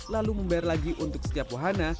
lalu membayar lagi untuk setiap wahana